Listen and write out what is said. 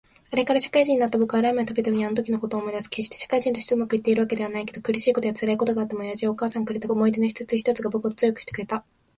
あれから、社会人になった僕はラーメンを食べるたびにあのときのことを思い出す。決して社会人として上手くいっているわけではないけど、苦しいことや辛いことがあっても親父やお母さんがくれた思い出の一つ一つが僕を強くしてくれた。